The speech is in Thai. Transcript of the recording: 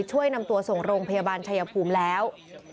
ช่วยนำตัวส่งโรงพยาบาลชายภูมิแล้ว